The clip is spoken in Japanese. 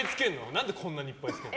何でこんなにいっぱいつけるの？